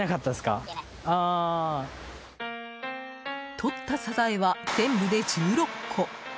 とったサザエは全部で１６個。